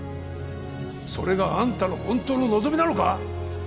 それがあんたの本当の望みなのか？